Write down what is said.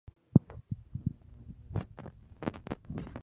Con el nombre de Mrs.